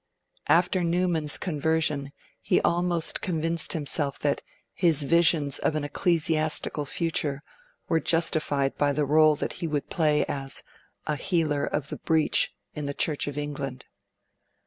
After Newman's conversion, he almost convinced himself that his 'visions of an ecclesiastical future' were justified by the role that he would play as a 'healer of the breach in the Church of England'.